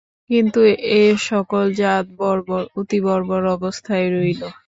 কিন্তু এ-সকল জাত বর্বর, অতি বর্বর অবস্থায় রইল।